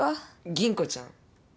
吟子ちゃん。